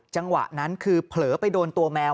จังหวะนั้นคือเผลอไปโดนตัวแมว